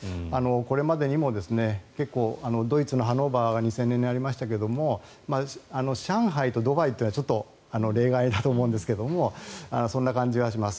これまでにも結構、ドイツのハノーバーが２０００年にありましたが上海とドバイはちょっと例外だと思うんですがそんな感じがします。